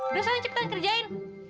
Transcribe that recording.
udah soalnya cepetan kerjain